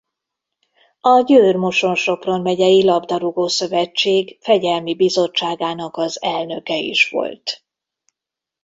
A Győr-Moson-Sopron megyei Labdarúgó-szövetség fegyelmi bizottságának az elnöke is volt.